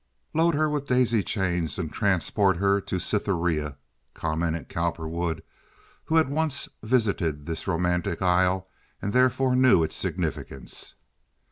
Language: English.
"Load her with daisy chains and transport her to Cytherea," commented Cowperwood, who had once visited this romantic isle, and therefore knew its significance.